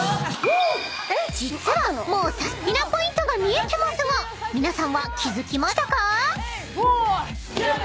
［実はもうサスティなポイントが見えてますが皆さんは気付きましたか？］